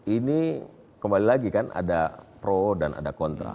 ini kembali lagi kan ada pro dan ada kontra